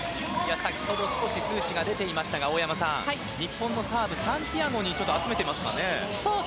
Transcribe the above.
少し数値が出ていましたが大山さん、日本のサーブをサンティアゴに集めていますかね。